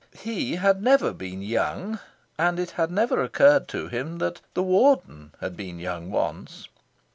He had never been young, and it never had occurred to him that the Warden had been young once.